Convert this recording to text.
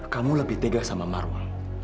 kamu lebih tega sama marwah